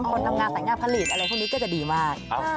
คนทำงานสายงานผลิตอะไรพวกนี้ก็จะดีมาก